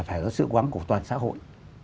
phải có sự quán của toàn xã hội